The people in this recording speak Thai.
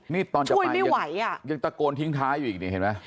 นี่ตอนจะไปยังไหวอ่ะยังตะโกนทิ้งท้ายอยู่อีกนี่เห็นไหม